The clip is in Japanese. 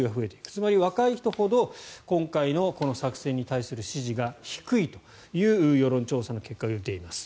つまり、若い人ほど今回の作戦に対する支持が低いという世論調査の結果が出ています。